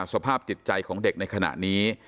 สภาพจิตใจของเด็กในขณะนี้